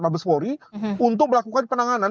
mabespori untuk melakukan penanganan